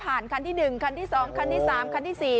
มันเลื้อยผ่านคันที่เองคันที่สองคันนี้สามคันที่สี่